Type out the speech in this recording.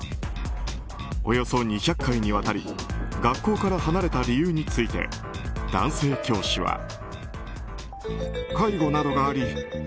およそ２００回にわたり学校から離れた理由について男性教師は。